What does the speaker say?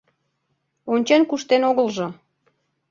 Ончен-куштен огылжо